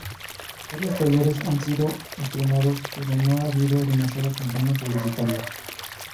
Varios tráileres han sido estrenados, pero no ha habido demasiada campaña publicitaria.